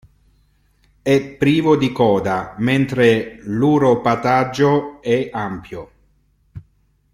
È privo di coda, mentre l'uropatagio è ampio.